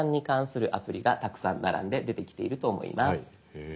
へえ。